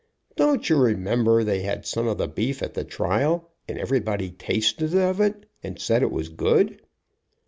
"Don't you remember they had some of the beef at the trial, and everybody tasted of it, and said it was good